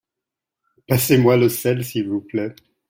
Passez-moi le sel s'il vous plait.